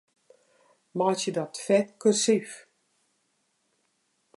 Meitsje dat fet kursyf.